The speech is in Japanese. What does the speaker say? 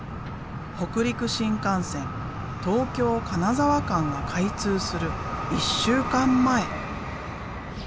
北陸新幹線東京金沢間が開通する１週間前。